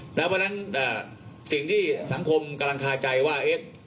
เพราะฉะนั้นสิ่งที่สังคมกำลังคาใจว่า